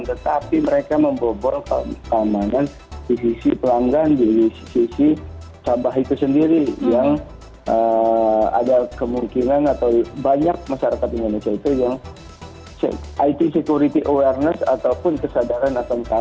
tetapi mereka membobol keamanan di sisi pelanggan di sisi cabah itu sendiri yang ada kemungkinan atau banyak masyarakat indonesia itu yang it security awareness ataupun kesadaran akan kami